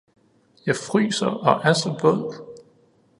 jeg fryser og er så våd!